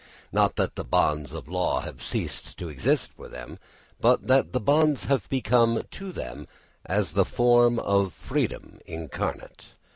Not that the bonds of law have ceased to exist for them but that the bonds have become to them as the form of freedom incarnate.